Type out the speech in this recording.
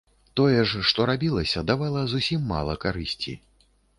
Тое ж, што рабілася, давала зусім мала карысці.